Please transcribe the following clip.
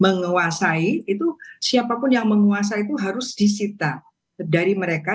menguasai itu siapapun yang menguasai itu harus disita dari mereka